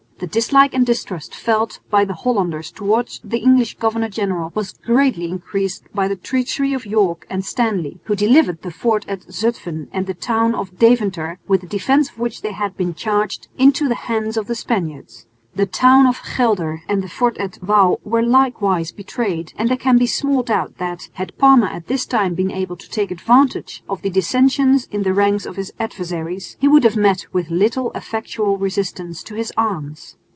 The dislike and distrust felt by the Hollanders towards the English governor general was greatly increased by the treachery of Yorke and Stanley, who delivered the fort at Zutphen and the town of Deventer, with the defence of which they had been charged, into the hands of the Spaniards. The town of Gelder and the fort at Wouw were likewise betrayed, and there can be small doubt that, had Parma at this time been able to take advantage of the dissensions in the ranks of his adversaries, he would have met with little effectual resistance to his arms.